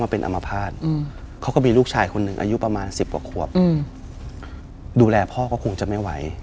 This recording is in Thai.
ประมาณ๑๐กว่าขวบดูแลพ่อก็คงจะไม่ไหว